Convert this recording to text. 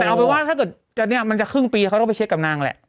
แต่เอาเป็นว่าถ้าเกิดจะเนี่ยมันจะครึ่งปีเขาต้องไปเช็คกับนางแหละ